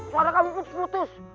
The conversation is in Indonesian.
suara kamu putus putus